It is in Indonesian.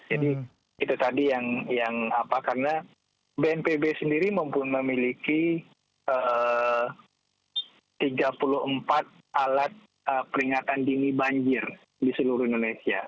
jadi itu tadi yang apa karena bnpb sendiri mempunyai tiga puluh empat alat peringatan dini banjir di seluruh indonesia